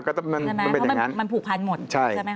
ใช่ไหมเพราะมันผูกพันหมดใช่ไหมคะ